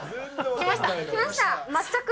来ました。